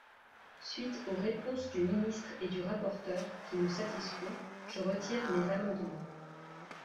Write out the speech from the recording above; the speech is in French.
Suite aux réponses du ministre et du rapporteur, qui me satisfont, je retire mes amendements.